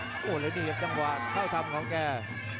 โหแล้วนี่เก็บจังหวาเข้าทำของแก